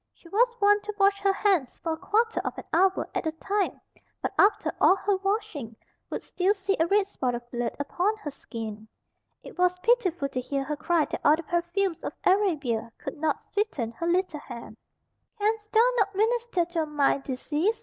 She was wont to wash her hands for a quarter of an hour at a time; but after all her washing, would still see a red spot of blood upon her skin. It was pitiful to hear her cry that all the perfumes of Arabia could not sweeten her little hand. "Canst thou not minister to a mind diseased?"